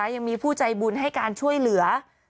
เพื่อให้ผู้ใจบุญให้การช่วยเหลือ